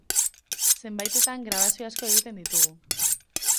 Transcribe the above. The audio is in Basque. Zenbaitetan grabazio asko egiten ditugu.